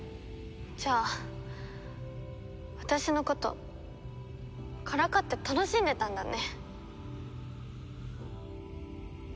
じゃあ私のことからかって楽しんでたんだね。